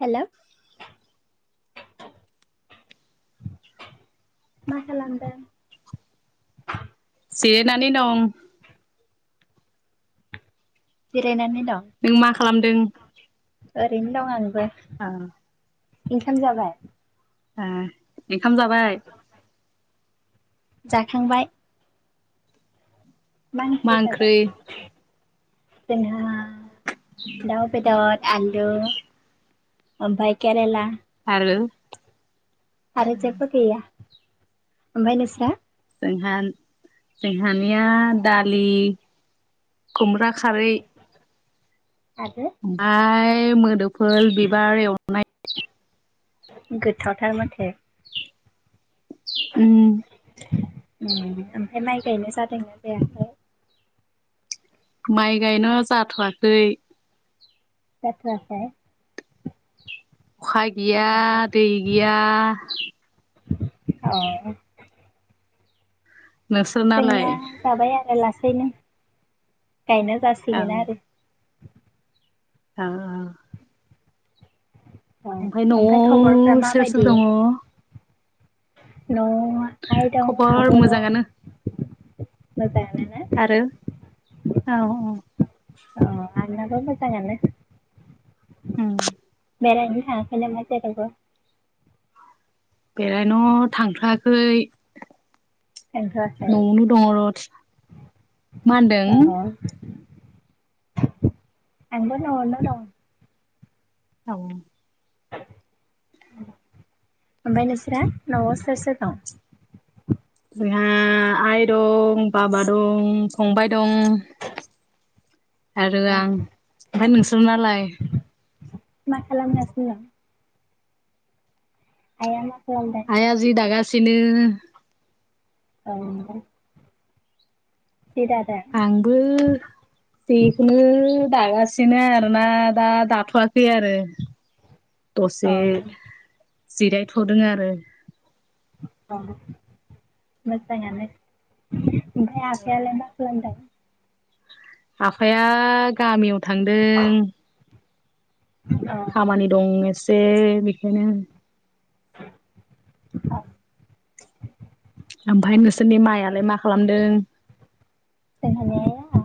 Hello मा खालामदों? जिरायनानै दं। बेरायनानै दं। नों मा खालामदों? ओरैनो दं आंबो अ ओंखाम जाबाय? ए ओंखाम जाबाय। जाखांबाय। मा ओंख्रि जागोन? जोंहा दाउ बेदत आलु ओमफाय केरेला आरो आरो जेबो गैया ओमफाय नोंस्रा? जोंहा जोंहानिया दालि खुमब्रा खारै आरो ओमफ्राय मोदोमफुल बिबार एवनाय। गोथावथार माथो। उम ओमफाय माइ गायनो जादोंना जायाखै? माइ गायनो जाथ'वाखै। जायफ्रा खाय अखा गैया दै गैया। अ नोंसोरनालाय? जोंना जाबाय आरो लासैनो गायनाय औ जासिगोन आरो। आ आ। ओ ओमफाय खबरफ्रा न'आव सोर सोर माबायदि दङ? न'आवहा आइ दं खबर आब' दं। मोजाङानो मोजाङानो ना? आरो औ औ। अ आयनाबो मोजाङानो। ओम। बेरायनो थाङाखै नामा जेरावबो? बेरायनो थांथ्राखै। थांथ'वाखै न'आवनो दङ र' मा अ होनदों? आंबो नवावनो दं। औ। ओमफाय नोंसोरा न'आव सोर सोर दं? जोंहा आ आइ दं, बाबा दं, फंबाय दं। आरो अ आं। ओमफ्राय नोंसोर नालाय? मा खालामगासिनो दं? आया मा खालामदों? आया जि दागासिनो। औ नोंथां। जि दादों। आंबो बेखौनो दागासिनो आरोना दा दाथ'वाखै आरो। दसे अ जिरायथ'दों आरो। अ मोजाङानो ओमफ्राय आफायालाय मा खालामदों? आफाया गामियाव थांदों। [unintelligible] खामानि दं एसे बेदिनो। औ ओमफाय नोंसोरनि माइआलाय मा खालामदों? जोंहानि आइया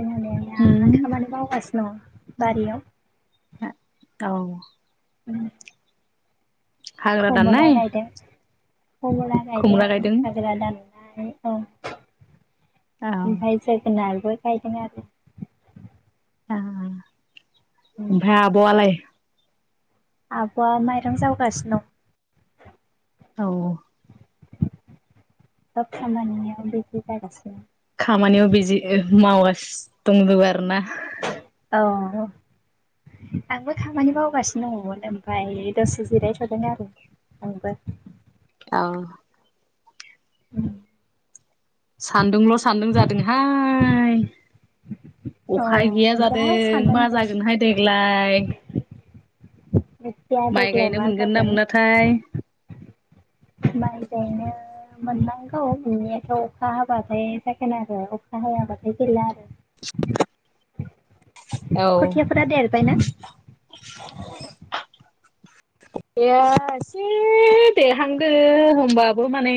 जोंहानि उम आइया खामानि मावगासिनो दं बारियाव। आ औ। उम। हाग्रा खमला दाननाय गायदों खमला गायदों हाग्रा दान आमफाय औ ओमफाय जोगोनारबो गायदों आरो। आ ओमफाय आब'आलाय? आब'आ माइरं जावगासिनो दं। औ। दा खामानियाव बिजि जागासिनो। खामानियाव बिजि ओ मावगासिनो दंङो आरो ना? औ। आंबो खामानि मावगासिनो दङमोन ओमफाय दसे जिरायथ'दों आरो। आंबो। अ। उम। सान्दुंल' सान्दुं जादोंहाय। अखा गैया अ दा जादों सानदों मा आरो जागोनहाय देग्लाय? मिथिया माइ देग्लाय गायनो मा मोनगोन ना जागोन मोनाथाय माय गायनो मोननांगौ मोननियाथ' अखा हाबाथाय जागोन आरो अखा हायाबाथाय गैला आरो [inaudible] खोथियाफोरा देरबायना औ [unintelligible] एसे देरहांदो होनबाबो माने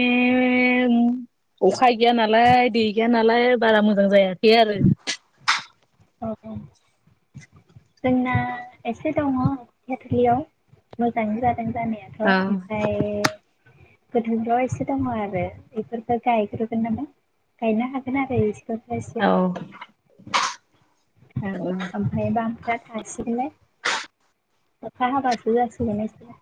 अखा गैया नालाय दै गैया नालाय बारा मोजां जायाखै आरो औ जोंना एसे दङ थयाटलियाव मोजाङ जादों जानाया ओमफ्राय गोथ प्रस दङ आरो बेफोरफोरखौ गायख्रोग नामा गायनो हागोन आरो इसोरफोरखौ एसे औ ओमफ्राय बांफाया थासिगोनलाय अखा हाबासो जासिगोन नसोरो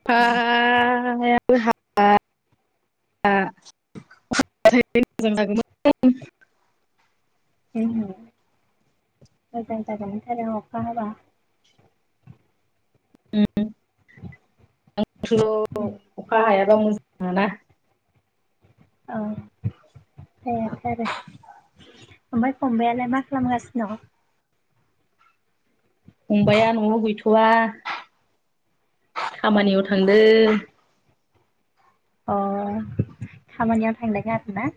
आ [unintelligible] [inaudible] मोजां जागोन अखा हाबा [unintelligible] अखा हायाबा मोजां मोना [unintelligible] ओमफ्राय फंबायालाय मा खालामगासिनों फंबाया न'आव गैथ'वा अ खामानियाव थांदों अ खामानियाव थांदों आरो ना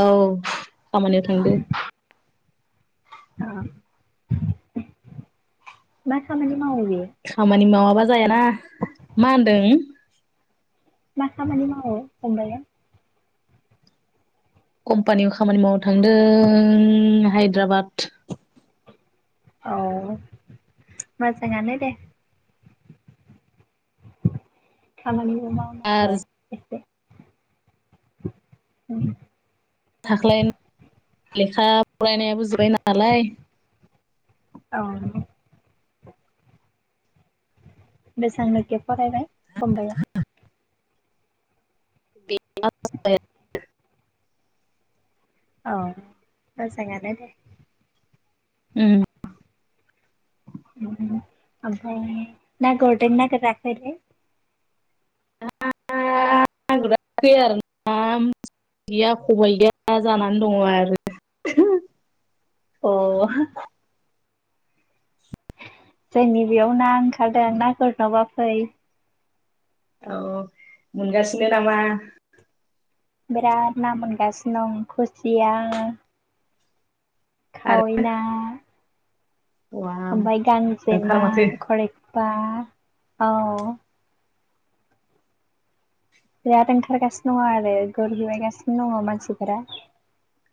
औ खामानियाव थांदो मा खामानि मावयो बे खामानि मावाबा जायाना मा होनदों मा खामानि मावो फंबाया कम्पानियाव खामानि मावनो थांदों हायद्राबाद औ मोजाङानो दे खामानिबो मावनांगौ आरो एसे उम थाख्लाय लेखा फरायनायाबो जोबबाय नालाय औ बेसेबां लोखा फरायबाय फंबाया [unintelligible] [inaudible] औ मोजाङानो दे ओम ओमफ्राय ना गुरदों ना गुराखैलै [unintelligible] आरोना गैया खबाय गैया जानानै दङ आरो [unintelligible] अ जोंनि बेयाव ना ओंखारदों ना गुरनोबा फै औ मोनगासिनो नामा बिराद ना मोनगासिनो दं खुसिया आरो खावैना हौवा ओमफ्राय ओंखार गांजेमा माथो खरिपा औ बिराद ओंखारगासिनो दङ आरो गुरहैगासिनो दङ मानसिफोरा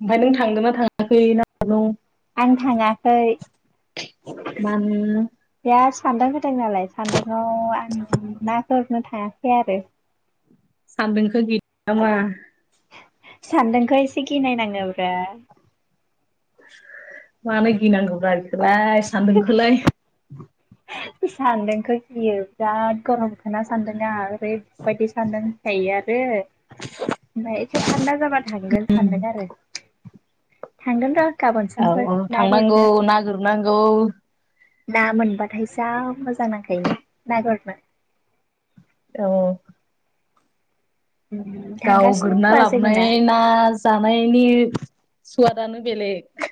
ओमफ्राय नों थांदों ना थाङाखै ना आं थाङाखै [inaudible] बिराद सान्दुं होदों नालाय सान्दाङाव आं ना गुरनो थाङाखै आरो सान्दुंखौ गिदों नामा सान्दोंखौ एसे गिनायनांगौब्रा मानो गिनांगौब्रा बेखौलाय सान्दों खौलाय सान्दुंखौ गियो बिराद गरमखा सान्दुं आ [unintelligible] आरो ओमफ्राय एसे थान्दा जाबा' थांगोन सानगोन आरो थांगोन र' गाबोन समफोर ना गुरनो गुर नांगौ ना मोनबाथाय जा मोजां नांखायोनो ना गुरनो औ उम गाव थांगासिनो दं गुरना बाजैमोना लाबोनाय ना जानायनि सुवादानो बेलेग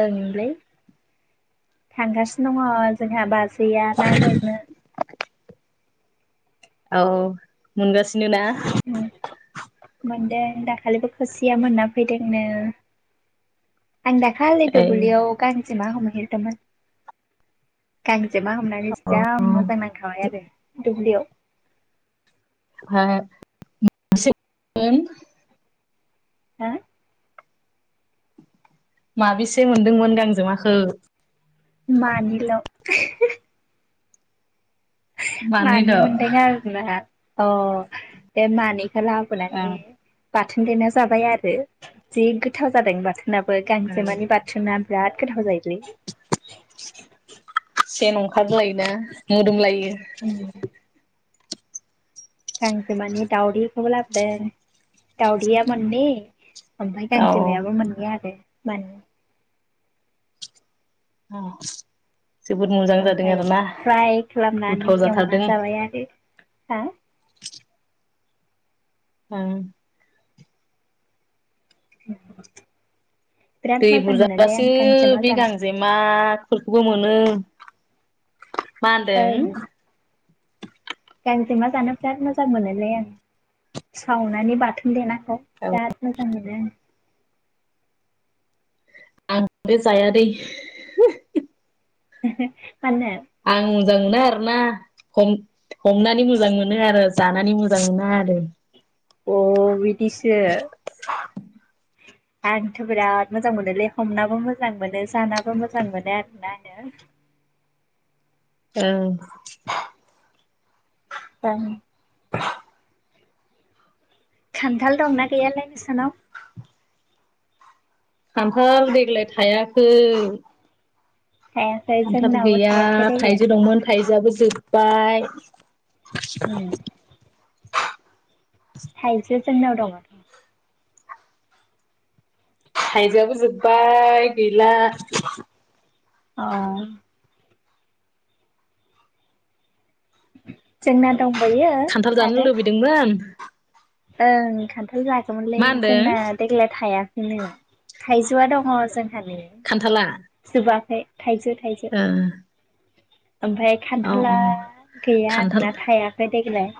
ओमलै थांगासिनो दङ जोंहा बाजैया ना गुरनो औ मोनगासिनो ना उम मोनदों दाखालिबो खुसिया मोनना फैदोंनो आं दाखालि ओइ दुब्लियाव गांजेमा हम हैदोंमोन गांजेमा हमनानै जा मोजां नांखाबाय आरो दुब्लियाव [unintelligible] हो माबेसे मोनदोंमोन गांजेमाखो मानि ल मानैल' मानै मोनदों आरो ना अ बे मानैखौ लाबोनानै बाथोन देना जाबाय आरो जि गोथाव जादों बाथोनाबो गांजेमानि बाथोन बाथोना जा गोथाव जायो सेन ओंखारलायोना मोदोमलायो उम गांसे माने दाावदैखौबो लाबोदों दाावदैया मोननै ओमफ्राय औ गांजेमायाबो मोननै आरो मोन औ जोबोद मोजां जादों ओमफाय आरोना फ्राय खालामनानै गोथाव एवना जाथारदों जाबाय आरो हा ओं [unintelligible] दै मोनोलै आं बुरजाबासो गांजेमा बे जानो गां गांजेमाफोरखौबो मोनो मा ओं होनदों गांजेमा जानो बिराद मोजां मोनोलै आं सावनानै बाथोन देना औ जा मोजां मोनो [unintelligible] जायादै [inaudible] मानो आं मोजां मोना आरोना खम हमनानै मोजां मोनो आरो जानानै मोजां मोना आरो अ बिदिसो आंथ' बिराद मोजां मोनोलै हमनाबो मोजां मोनो जानाबो मोजां मोनो आरोना आंङो औ [unintelligible] खान्थाल दंना गैयालै बेसानाव खान्थाल देग्लाय थायाखै थायाखै खान्थाल जोंनावबो गैया थायाखै देग्लाय थाइजौ दंमोन थाइजौआबो जोब्बाय ओम थाइजौ जोंनाव दङ थाइजौ आबो जोबबाय गैला ओ जोंना दंबायो खान्थाल जानो लुबैदोंमोन ओ खान्थाल जागौमोनलै मा होनदों जोंना देग्लाय थाइआखैनो थाइजौआ दङो जोंहानि खान्थाला जोबाखै थाइसे थाइनै ओ आमफाय औ खान्थाला औ गैया खान्थाल आरोना थाइआखै देग्लाय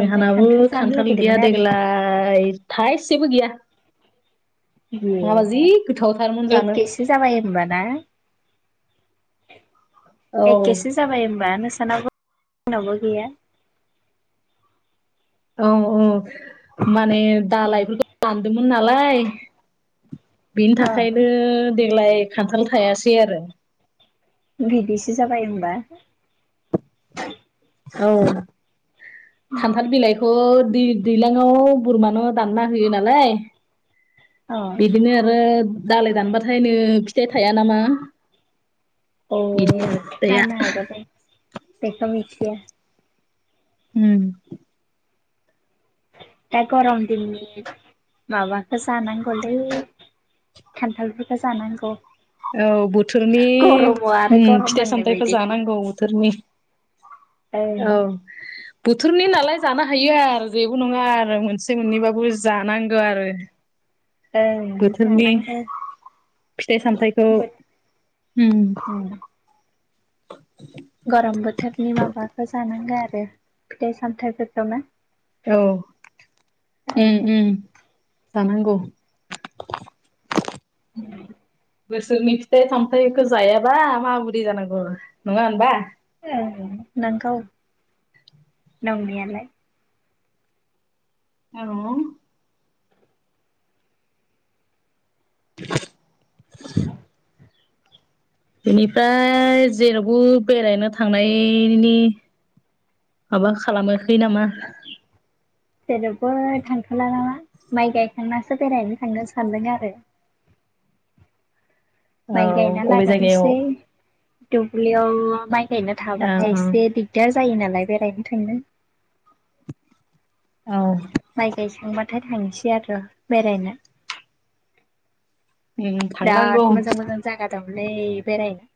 ओमफ्राय जानो खान्थाल गैया लुगैदोंमोन आरो देग्लाय थाइसेबो गैया नंआबा जि ए गोथावथारमोन जानो एखेसो जाबाय होनबा ना औ एखेसो जाबाय होमबा नोंसानावो जोंनावबो गैया औ औ माने दालायफोरखौ दानदोंमोन नालाय बेनि अ थाखायबनो देग्लाय खान्थाल थायाखै आरो बिदिसो जाबाय होमबा औ अ खान्थाल बिलाइ ओ दै दैज्लांआव बोरमानो दानना होयो नालाय अ बिदिनो आरो दालाय दानबाथाय नो फिथाइ थाया नामा औ बिदि आरो फिथाइया जानो हागौ दै बेखौ मिथिआ उम दा गरम दिननि माबखौ जानांगौलै खान्थाल जानांगौ औ बोथोरनि गरमाव आरो उम गरम फिथाइ नांनाय सामथाइफखौ जानांगौ बोथोरनि औ बोथोरनि नालाय जानो हायो आरो जेबो नङा आरो मोनसे मोननैबो जानांगौ आरो [unintelligible] ओं बोथोरनि जानांगौ फिथाइ सामथाय औ बोथ उम [unintelligible] ग'रम बोथोरनि माबाखौ जानांगौ आरो फिथाइ सामथायाइखौ ना औ उम ओं उम जानांगौ [unintelligible] बोसोरनि फिथाइ सामथाइखौ जायाबा माबोरै जानांगौ नङा होनबा नोंगौ नंनायालाय औ [inaudible] [inaudible] बेनिफ्राय जेरावबो बेरायनो थांनायनि माबा खालामाखै नामा जेरावबो थांथ'ला नामा माइ गायखांनासो बेरायनो थांनो सानदों आरो औ माइ गायना अबे जायगायाव लागोरसै औ दुब्लियाव माइ गायना थाबाथाय एसे दिक औ दिगदार जायो नालाय बेरायनो थांनो औ माइ गायखांबाथाय थांसै आरो बेरायनो उम बिराद थांनांगौ मोजां मोजां जायगा दंमोनलै बेरायनो